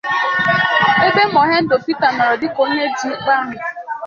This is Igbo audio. ebe Muhendo Peter nọrọ dịka onye ji ikpe ahụ